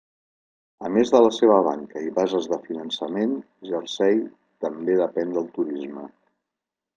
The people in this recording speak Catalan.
A més de la seva banca i bases de finançament, jersei també depèn del turisme.